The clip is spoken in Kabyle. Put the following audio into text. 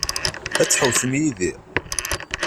Ad tḥewwseḍ yid-i?